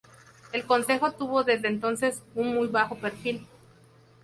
El Consejo tuvo desde entonces un muy bajo perfil.